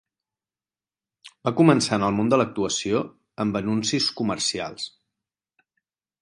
Va començar en el món de l'actuació amb anuncis comercials.